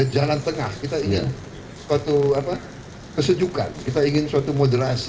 jalan tengah kita ingin suatu kesejukan kita ingin suatu moderasi